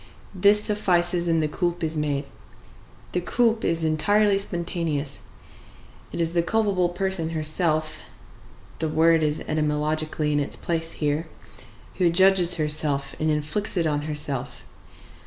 this suffices, and the coulpe is made. The coulpe is entirely spontaneous; it is the culpable person herself (the word is etymologically in its place here) who judges herself and inflicts it on herself.